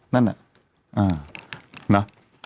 นั่นอะ